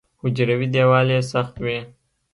حجروي دیوال یې سخت وي.